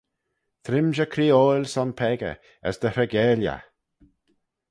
Trimshey creeoil son peccah, as dy hreigeil eh.